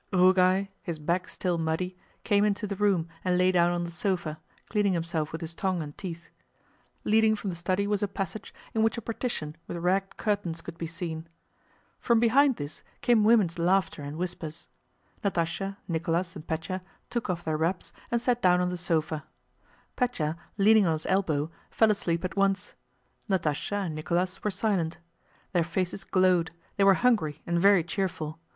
Rugáy, his back still muddy, came into the room and lay down on the sofa, cleaning himself with his tongue and teeth. Leading from the study was a passage in which a partition with ragged curtains could be seen. From behind this came women's laughter and whispers. Natásha, Nicholas, and Pétya took off their wraps and sat down on the sofa. Pétya, leaning on his elbow, fell asleep at once. Natásha and Nicholas were silent. Their faces glowed, they were hungry and very cheerful.